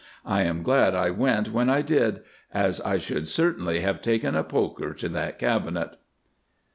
I am glad I went when I did, as I should certainly have taken a poker to that cabinet.